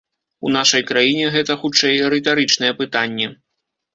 У нашай краіне гэта, хутчэй, рытарычнае пытанне.